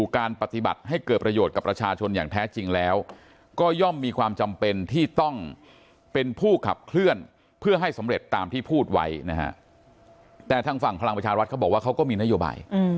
ความที่พูดไว้นะฮะแต่ทางฝั่งพลังประชารัฐเขาบอกว่าเขาก็มีนโยบาย